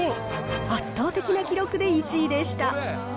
圧倒的な記録で１位でした。